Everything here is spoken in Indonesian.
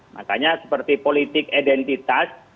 makanya seperti politik identitas